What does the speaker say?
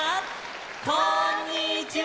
こんにちは！